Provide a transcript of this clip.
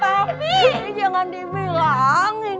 papi jangan dibilangin